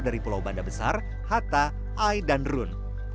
dari pulau banda besar hatta ai dan run